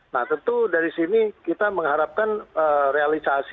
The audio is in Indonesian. nah tentu dari sini kita mengharapkan realisasi